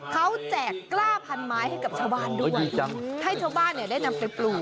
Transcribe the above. เขาจากกล้าพันไม้ให้ชาวบ้านให้ชาวบ้านได้นำไปปลูก